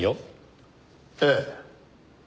ええ。